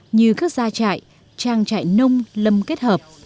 như các gia trại trang trại nông lâm kết hợp